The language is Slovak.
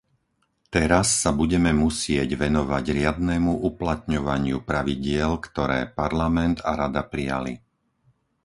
Teraz sa budeme musieť venovať riadnemu uplatňovaniu pravidiel, ktoré Parlament a Rada prijali.